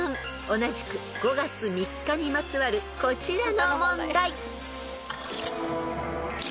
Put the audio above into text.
［同じく５月３日にまつわるこちらの問題］